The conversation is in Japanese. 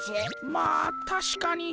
まあたしかに。